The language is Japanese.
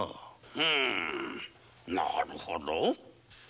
うむなるほど。